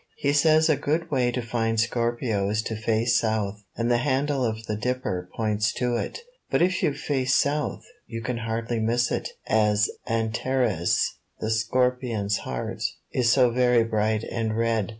He says a good way to find Scorpio is to face south, and the handle of the Dipper points to it. But if you face south, you can hardly miss it, as An ta res, the Scorpion's heart, is so very bright and red.